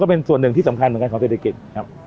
เป็นเหล่านักท่องเที่ยว